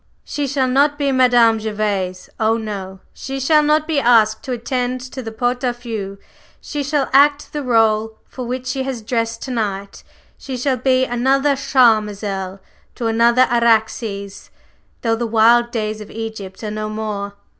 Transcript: She shall not be Madame Gervase, oh, no! She shall not be asked to attend to the pot au feu; she shall act the rôle for which she has dressed to night; she shall be another Charmazel to another Araxes, though the wild days of Egypt are no more!"